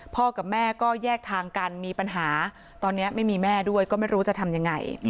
กับแม่ก็แยกทางกันมีปัญหาตอนนี้ไม่มีแม่ด้วยก็ไม่รู้จะทำยังไง